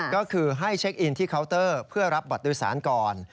ก็คือให้เช็คอินที่เคาน์เตอร์เพื่อรับบัตรโดยสารก่อน